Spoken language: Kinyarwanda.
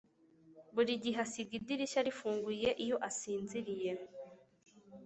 Buri gihe asiga idirishya rifunguye iyo asinziriye